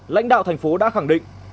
lãnh đạo thành phố đã khẳng định